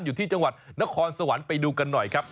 อยู่ที่จังหวัดนครสวรรค์ไปดูกันหน่อยครับ